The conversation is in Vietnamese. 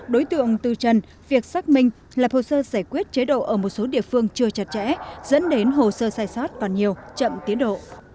đối tượng tư trần việc xác minh lập hồ sơ giải quyết chế độ ở một số địa phương chưa chặt chẽ dẫn đến hồ sơ sai sót còn nhiều chậm tiến độ